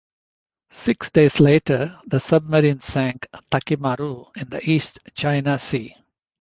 Six days later, the submarine sank "Taki Maru" in the East China Sea.